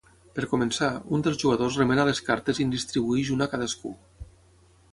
Per començar, un dels jugadors remena les cartes i en distribueix una a cadascú.